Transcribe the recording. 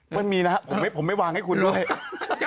มันมีนะครับผมไม่วางให้คุณด้วย